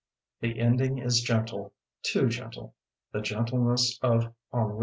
The ending is gentle — ^too gentle, the gentleness of ennui.